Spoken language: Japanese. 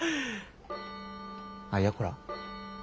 あいやこら